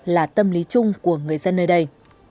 là tâm lý chung của người dân nơi đây